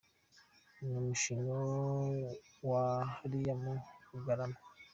Ni umushi wa hariya mu Bugarama.